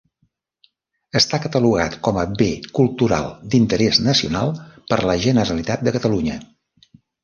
Està catalogat com a Bé Cultural d'Interès Nacional per la Generalitat de Catalunya.